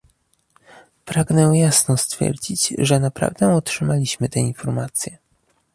Pragnę jasno stwierdzić, że naprawdę otrzymaliśmy te informacje